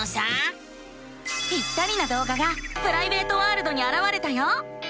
ぴったりなどうががプライベートワールドにあらわれたよ。